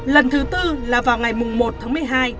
lần thứ tư là vào ngày một tháng một mươi hai